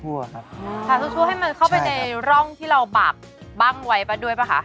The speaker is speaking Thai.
ทาทั่วให้มันเข้าไปในร่องที่เราบาปบั้งไว้ด้วยป่ะคะ